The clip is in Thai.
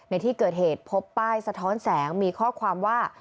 ในที่เกิดเหตุพบป้ายสะท้อนแสงมีข้อความว่า